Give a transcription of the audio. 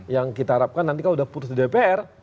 yang kita harapkan nanti kalau sudah putus di dpr